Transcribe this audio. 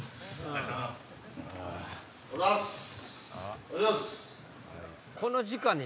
おはようございます！